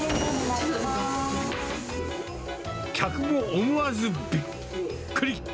客も思わずびっくり。